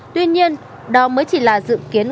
tuy nhiên đó mới chỉ là dự kiến